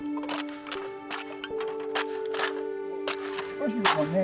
少しでもね。